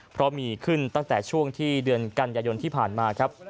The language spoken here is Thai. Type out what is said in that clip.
เพราะมีขึ้นตั้งแต่ช่วงที่เดือนกันยายนที่ผ่านมาครับ